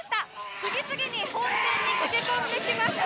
次々に本殿に駆け込んでいきます。